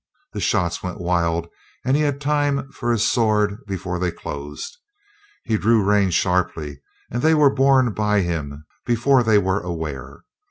The shots went wild and he had time for his sword before they closed. He drew rein sharply and they were borne by him before they were aware.